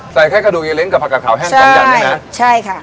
ใส่แค่กระดูกเลิ้นกับผักกาขาวแห้งสองอย่างเนี่ยนะใช่ค่ะ